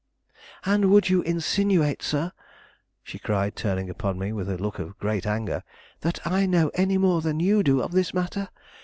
"And would you insinuate, sir," she cried, turning upon me with a look of great anger, "that I know any more than you do of this matter?